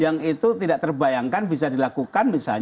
yang itu tidak terbayangkan bisa dilakukan bisa dilakukan bisa dilakukan